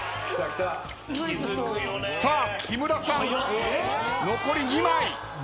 さあ木村さん残り２枚。